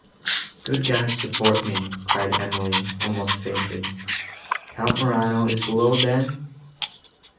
"Good God support me!" cried Emily, almost fainting, "Count Morano is below, then!"